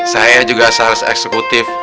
saya juga sales eksekutif